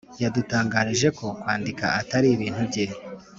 yadutangarije ko kwandika atari ibintu bye